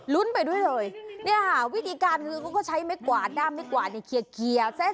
ลุ้นไปด้วยเลยวิธีการก็ใช้ไม้กวาดด้ามไม้กวาดเนี่ยเคียว